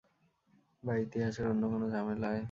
বা ইতিহাসের অন্য কোনো ঝামেলায়?